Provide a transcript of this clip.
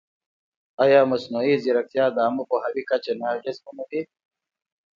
ایا مصنوعي ځیرکتیا د عامه پوهاوي کچه نه اغېزمنوي؟